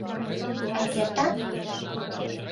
А кертат?